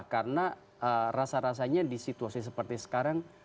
karena rasa rasanya di situasi seperti sekarang